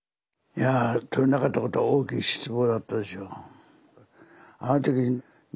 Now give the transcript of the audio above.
いやぁとれなかったことは大きい失望だったでしょう。